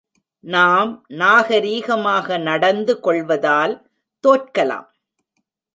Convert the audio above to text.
நாம் நாகரிகமாக நடந்து கொள்வதால் தோற்கலாம்.